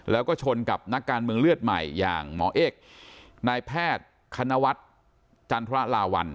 แล้วก็ชนกับนักการเมืองเลือดใหม่อย่างหมอเอกนายแพทย์คณวัฒน์จันทรลาวัล